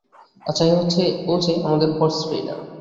আচ্ছা, এ হচ্ছে ওজে - আমাদের হর্স ট্রেইনার।